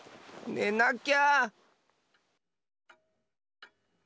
ねなきゃ。